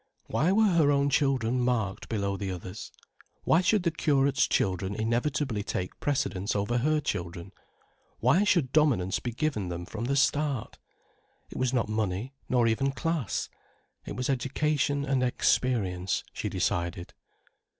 Why were her own children marked below the others? Why should the curate's children inevitably take precedence over her children, why should dominance be given them from the start? It was not money, nor even class. It was education and experience, she decided.